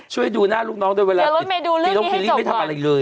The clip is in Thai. ช่วยดูหน้าลูกน้องด้วยเวลาติดลองคิลินไม่ทำอะไรเลย